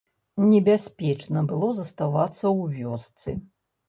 Небяспечна было заставацца ў вёсцы.